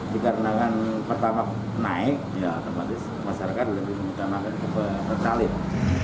dikarenakan pertalite naik ya tempatnya masyarakat lebih mencantumkan ke pertalite